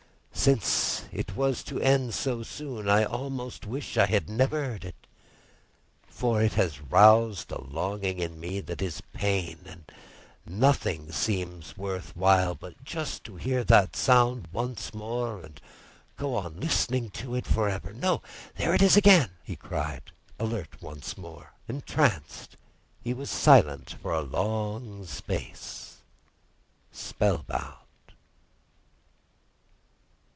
Since it was to end so soon, I almost wish I had never heard it. For it has roused a longing in me that is pain, and nothing seems worth while but just to hear that sound once more and go on listening to it for ever. No! There it is again!" he cried, alert once more. Entranced, he was silent for a long space, spellbound.